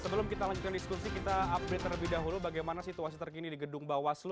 sebelum kita lanjutkan diskusi kita update terlebih dahulu bagaimana situasi terkini di gedung bawaslu